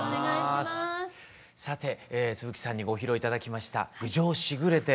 さて津吹さんにご披露頂きました「郡上しぐれて」。